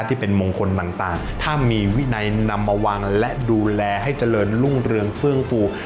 ที่เป็นมงคลต่างถ้ามีวินัยนำมาวางและดูแลให้เจริญรุ่งเรืองเฟื่องฟู